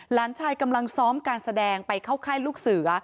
หลานชายกำลังซ้อมการแสดงไปเข้าค่ายลูกเสือ